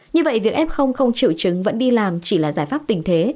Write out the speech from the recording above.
như vậy việc f không triệu chứng vẫn đi làm chỉ là giải pháp tình thế